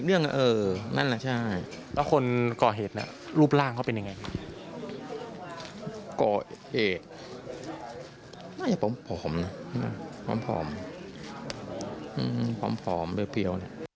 อืมผอมเปรี้ยวเนี่ย